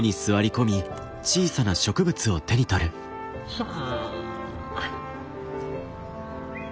はあ。